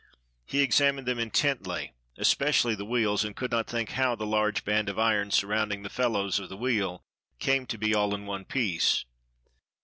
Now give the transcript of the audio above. He examined them intently, espe cially the wheels, and could not think how the large band of iron surrounding the felloes of the wheel came to be all in one piece.